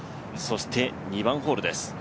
そして、２番ホールです。